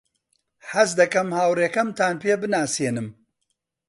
حەز دەکەم هاوڕێکەمتان پێ بناسێنم.